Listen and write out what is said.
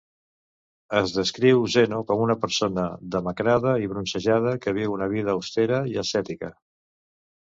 Es descriu Zeno com una persona demacrada i bronzejada, que viu una vida austera i ascètica.